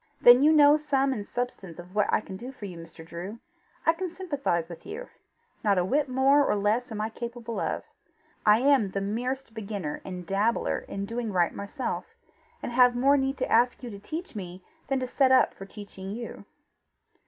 "Then you know sum and substance of what I can do for you, Mr. Drew: I can sympathize with you; not a whit more or less am I capable of. I am the merest beginner and dabbler in doing right myself, and have more need to ask you to teach me than to set up for teaching you."